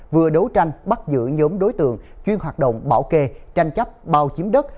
vừa đấu tranh bắt giữ nhóm đối tượng chuyên hoạt động bảo kê tranh chấp bao chiếm đất